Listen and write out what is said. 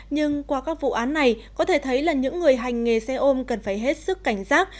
nhưng qua các vụ án này có thể thấy là những người hành nghề xe ôm cần phải hết sức cảnh giác